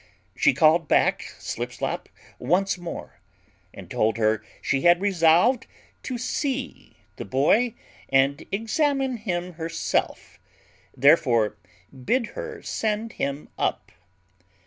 She called back Slipslop once more, and told her she had resolved to see the boy, and examine him herself; therefore bid her send him up.